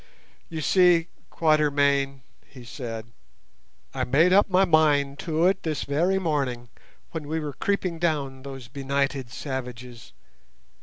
"You see, Quatermain," he said, "I made up my mind to it, this very morning, when we were creeping down those benighted savages.